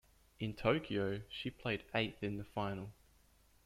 In Tokyo, she placed eighth in the final.